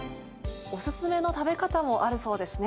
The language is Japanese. オススメの食べ方もあるそうですね。